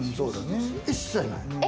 一切ない。